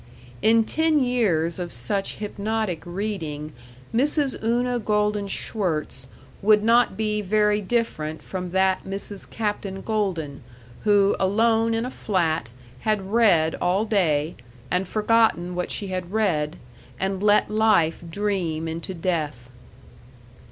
In ten years of such hypnotic reading Mrs. Una Golden Schwirtz would not be very different from that Mrs. Captain Golden who, alone in a flat, had read all day, and forgotten what she had read, and let life dream into death.